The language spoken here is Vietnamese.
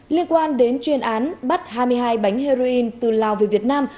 liên quan đến chuyên án bắt hai mươi hai bánh heroin từ lào về việt nam